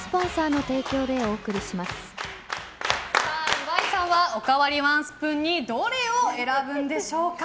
岩井さんはおかわりスプーンにどれを選ぶんでしょうか。